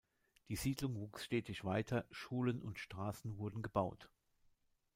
Die Siedlung wuchs stetig weiter, Schulen und Straßen wurden gebaut.